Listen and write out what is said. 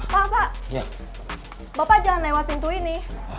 pak bapak jangan lewat pintu ini